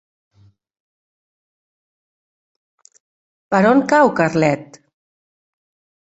Per on cau Carlet?